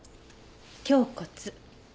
胸骨。